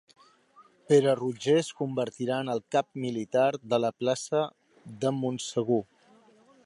Pere Roger es convertirà en el cap militar de la plaça de Montsegur.